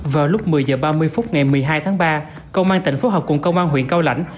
vào lúc một mươi h ba mươi phút ngày một mươi hai tháng ba công an tỉnh phối hợp cùng công an huyện cao lãnh